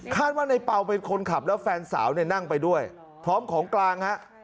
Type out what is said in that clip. ว่าในเปล่าเป็นคนขับแล้วแฟนสาวเนี่ยนั่งไปด้วยพร้อมของกลางฮะ